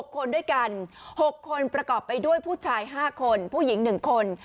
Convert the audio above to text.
๖คนด้วยกัน๖คนประกอบไปด้วยผู้ชาย๕คนผู้หญิง๑คน